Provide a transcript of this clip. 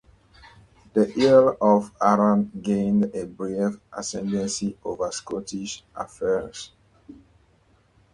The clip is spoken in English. The Earl of Arran gained a brief ascendancy over Scottish affairs.